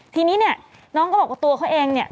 ทีนี้เนี่ยน้องก็บอกว่าตัวเขาเองเนี่ย